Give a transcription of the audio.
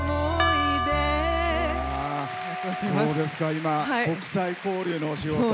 今、国際交流のお仕事を。